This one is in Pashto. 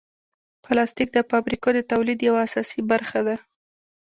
پلاستيک د فابریکو د تولید یوه اساسي برخه ده.